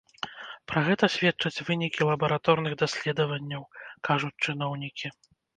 Пра гэта сведчаць вынікі лабараторных даследаванняў, кажуць чыноўнікі.